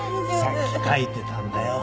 さっき書いてたんだよ